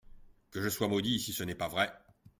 Que je sois maudit si ce n’est pas vrai !